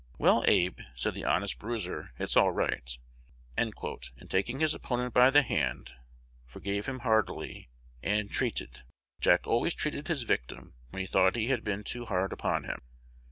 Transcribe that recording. "Well, Abe," said the honest bruiser, "it's all right," and, taking his opponent by the hand, forgave him heartily, and "treated." Jack always treated his victim when he thought he had been too hard upon him.